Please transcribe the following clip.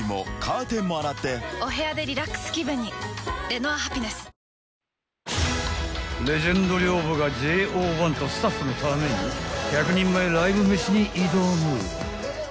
Ｎｏ．１［レジェンド寮母がＪＯ１とスタッフのために１００人前ライブ飯に挑む］